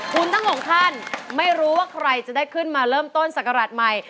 คุณทั้งสองท่านไม่รู้ว่าใครจะได้ขึ้นมาเริ่มต้นศักราชใหม่